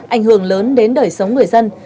ảnh hưởng lớn đến đời sống người dân